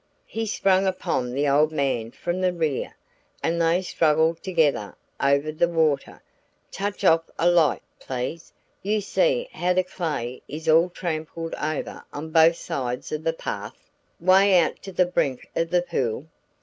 He sprang upon the old man from the rear and they struggled together over the water touch off a light, please you see how the clay is all trampled over on both sides of the path, 'way out to the brink of the pool.